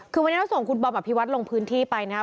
คือวันนี้เราส่งคุณบอมอภิวัตรลงพื้นที่ไปนะครับ